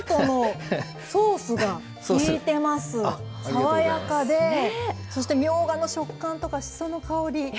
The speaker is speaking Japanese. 爽やかでそしてみょうがの食感とかしその香り。